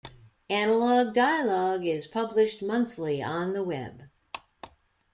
"Analog Dialogue" is published monthly on the Web.